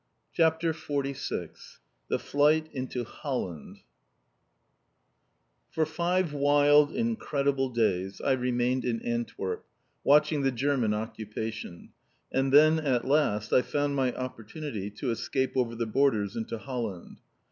CHAPTER XLVI THE FLIGHT INTO HOLLAND For five wild incredible days I remained in Antwerp, watching the German occupation; and then at last, I found my opportunity to escape over the borders into Holland.